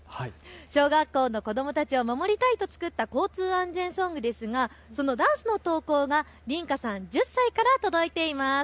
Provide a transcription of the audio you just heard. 小学校の子どもたちを守りたいと作った交通安全ソングですがそのダンスの投稿がりんかさん、１０歳から届いています。